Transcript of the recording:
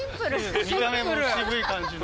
見た目も渋い感じの。